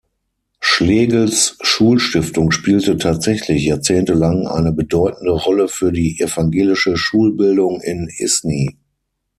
Schlegels Schulstiftung spielte tatsächlich jahrzehntelang eine bedeutende Rolle für die evangelische Schulbildung in Isny.